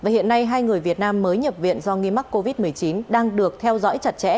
hiện nay hai người việt nam mới nhập viện do nghi mắc covid một mươi chín đang được theo dõi chặt chẽ